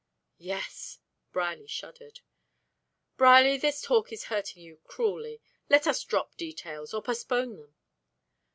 "Yes." Brierly shuddered. "Brierly, this talk is hurting you cruelly. Let us drop details, or postpone them."